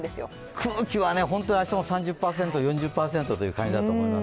空気は本当に明日も３０％、４０％という感じだと思います。